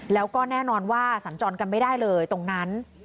แล้วก็แน่นอนว่าสัญจรกันไม่ได้เลยตรงนั้น